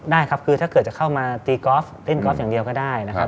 ได้ครับคือถ้าเกิดจะเข้ามาตีกอล์ฟเล่นกอล์ฟอย่างเดียวก็ได้นะครับ